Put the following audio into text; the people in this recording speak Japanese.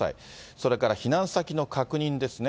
それから避難先の確認ですね。